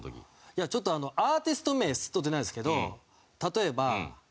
いやちょっとアーティスト名スッと出ないんですけど例えば。